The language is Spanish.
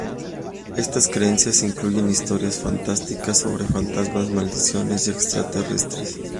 Estas creencias incluyen historias fantásticas sobre fantasmas, maldiciones y extraterrestres.